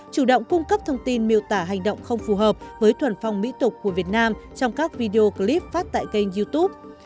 chủ động cung cấp thông tin miêu tả hành động không phù hợp với thuần phong mỹ tục của việt nam trong các video clip phát tại kênh youtube